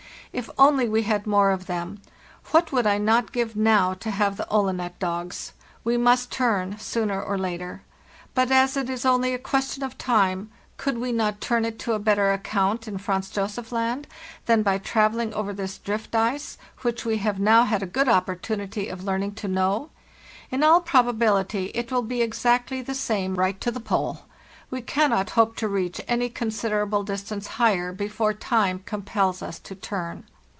If only we had more of them! What would I not give now to have the Olenek dogs? We must turn, sooner or later. But as it is only a question of time, could we not turn it to better account in Franz Josef Land than by travelling over this drift ice, which we have now had a good opportunity of learning to know? In all probability it will be exactly the same right to the Pole. We cannot hope to reach any con siderable distance higher before time compels us to turn.